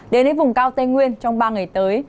đến với vùng cao tây nguyên trong ba ngày tới